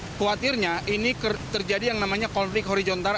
khawatirnya ini terjadi yang namanya konflik horizontal